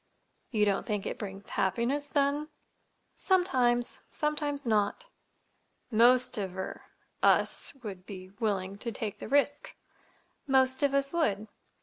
"You don't think it brings happiness, then?" "Sometimes. Sometimes not." "Most of—er—us would be willing to take the risk." "Most of us would."